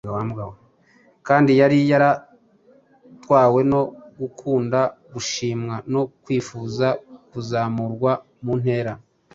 kandi yari yaratwawe no gukunda gushimwa no kwifuza kuzamurwa mu ntera.